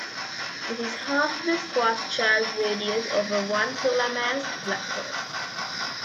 This is half the Schwarzschild radius of a one solar mass black hole.